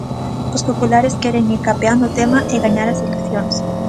Os populares queren ir capeando o tema e gañar as eleccións.